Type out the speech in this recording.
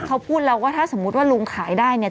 เขาพูดแล้วว่าถ้าสมมุติว่าลุงขายได้เนี่ย